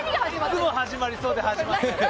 いつも始まりそうで始まらない。